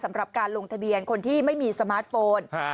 สำหรับการลงทะเบียนคนที่ไม่มีสมาร์ทโฟน